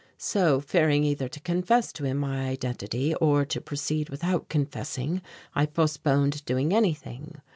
So fearing either to confess to him my identity or to proceed without confessing, I postponed doing anything.